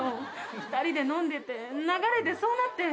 ２人で飲んでて流れでそうなって。